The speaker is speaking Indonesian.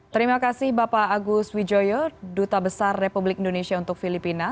terima kasih bapak agus wijoyo duta besar republik indonesia untuk filipina